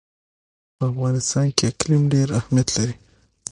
په افغانستان کې اقلیم ډېر اهمیت لري.